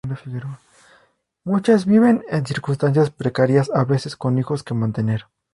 Muchas viven en circunstancias precarias, a veces con hijos que mantener.